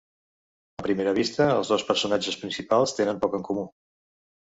A primera vista, els dos personatges principals tenen poc en comú.